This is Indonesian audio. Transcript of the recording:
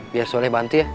biar soleh bantu ya